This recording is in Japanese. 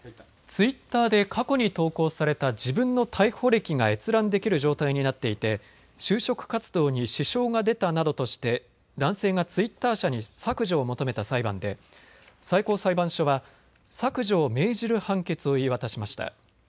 ツイッターで過去に投稿された自分の逮捕歴が閲覧できる状態になっていて就職活動に支障が出たなどとして男性がツイッター社に削除を求めた裁判で最高裁判所は削除を命じる判決を言い渡しました。